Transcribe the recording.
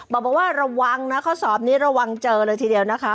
บอกว่าระวังนะข้อสอบนี้ระวังเจอเลยทีเดียวนะคะ